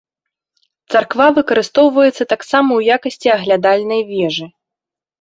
Царква выкарыстоўваецца таксама ў якасці аглядальнай вежы.